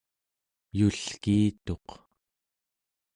yulkiituq